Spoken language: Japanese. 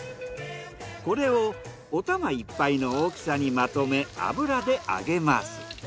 これをおたまいっぱいの大きさにまとめ油で揚げます。